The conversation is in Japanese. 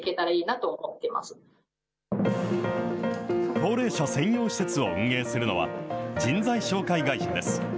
高齢者専用施設を運営するのは、人材紹介会社です。